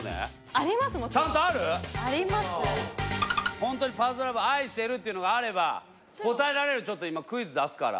ホントにパズドラ部を愛してるっていうのがあれば答えられるちょっと今クイズ出すから。